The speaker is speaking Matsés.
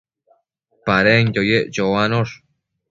Padenquio yec choanosh